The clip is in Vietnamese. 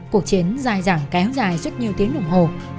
cuộc chiến dài dẳng kéo dài suốt nhiều tiếng đồng hồ